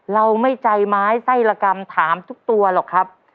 ไม่ใช่ใจไม้ไส้ละกำถามทุกตัวหรอกครับ